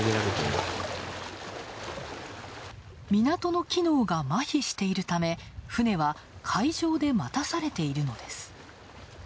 港の機能がまひしているため、船は海上で待たされているのです。